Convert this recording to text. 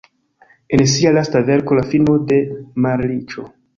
En sia lasta verko "La fino de malriĉo.